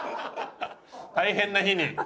大変な日に？